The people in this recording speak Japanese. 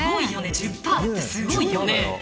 １０％ってすごいよね。